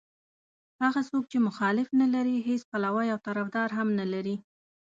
هغه څوک چې مخالف نه لري هېڅ پلوی او طرفدار هم نه لري.